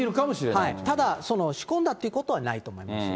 ただ、仕込んだということはないと思います。